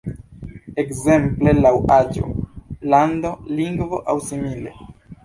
Ekzemple laŭ aĝo, lando, lingvo aŭ simile?